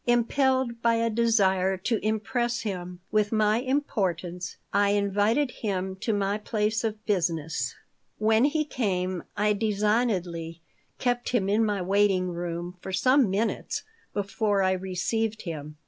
Impelled by a desire to impress him with my importance, I invited him to my place of business. When he came I designedly kept him in my waiting room for some minutes before I received him.